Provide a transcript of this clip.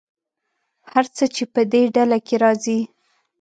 هر څه چې په دې ډله کې راځي.